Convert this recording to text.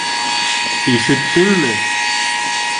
- Ишеттеңме?!